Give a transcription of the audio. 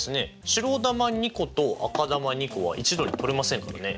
白球２個と赤球２個は一度に取れませんからね。